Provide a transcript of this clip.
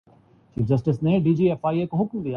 طاقت کا ایک مرکز میڈیا بھی ہے۔